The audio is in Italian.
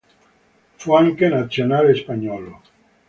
Fu anche nazionale spagnolo.